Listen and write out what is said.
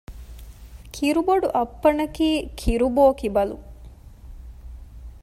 ކިރުބޮޑުއައްޕަނަކީ ކިރުބޯކިބަލު